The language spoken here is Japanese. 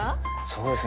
そうですね